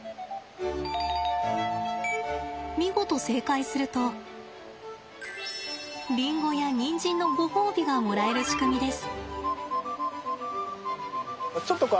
見事正解するとリンゴやニンジンのごほうびがもらえる仕組みです。